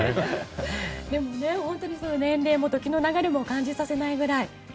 でも本当に年齢も時の流れも感じさせないくらい。